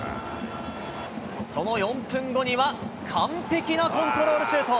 その４分後には完璧なコントロールシュート。